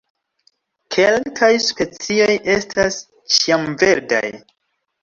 Kelkaj specioj estas ĉiamverdaj.